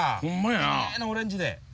きれいなオレンジで。